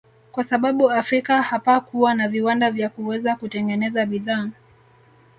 Kwa sababu Afrika hapakuwa na viwanda vya kuweza kutengeneza bidhaa